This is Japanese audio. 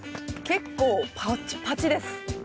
結構パッチパチです。